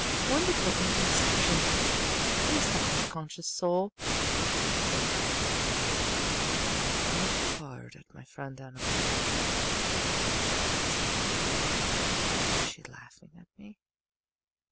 "Wonderful in conception is the half conscious soul," said Annabel Lee. I looked hard at my friend Annabel Lee. Was she teasing me? Was she laughing at me?